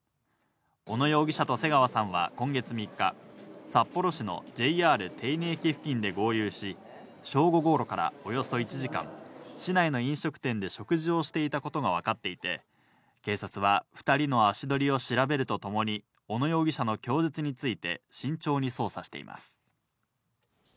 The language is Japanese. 小野容疑者と瀬川さんは今月３日、札幌市のＪＲ手稲駅付近で合流し、正午頃からおよそ１時間、市内の飲食店で食事をしていたことがわかっていて、警察は２人の足取りを調べるとともに、小野容疑者の供述について慎重に捜査しています。